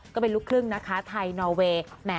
ก็เป็นลูกครึ่งนะคะไทยนอเวย์